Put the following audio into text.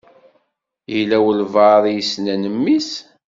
Yella walebɛaḍ i yessnen mmi-s?